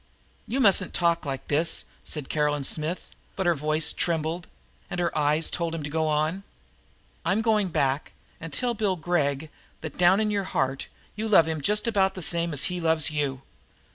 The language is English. "You mustn't talk like this," said Caroline Smith, but her voice trembled, and her eyes told him to go on. "I'm going back and tell Bill Gregg that, down in your heart, you love him just about the same as he loves you!"